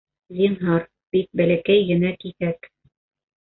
Зинһар, бик бәләкәй генә киҫәк